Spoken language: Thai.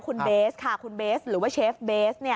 คุณเบสค่ะคุณเบสหรือว่าเชฟเบส